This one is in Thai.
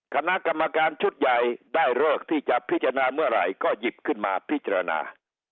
คณะกรรมการชุดใหญ่ได้เลิกที่จะพิจารณาเมื่อไหร่ก็หยิบขึ้นมาพิจารณา